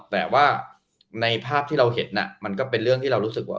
แต่ว่าในภาพที่เราเห็นมันก็เป็นเรื่องที่เรารู้สึกว่า